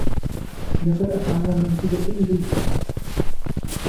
نفى الأفعال المنسوبة إليه.